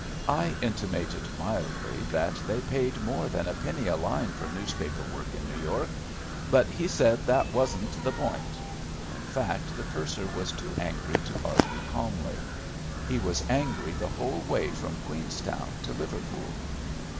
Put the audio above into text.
I intimated mildly that they paid more than a penny a line for newspaper work in New York, but he said that wasn't the point. In fact the purser was too angry to argue calmly. He was angry the whole way from Queenstown to Liverpool.